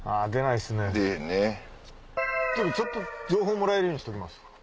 でもちょっと情報もらえるようにしときます。